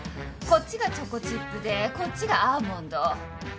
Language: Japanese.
こっちがチョコチップでこっちがアーモンド。